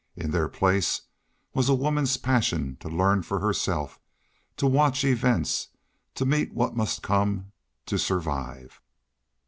In their place was a woman's passion to learn for herself, to watch events, to meet what must come, to survive.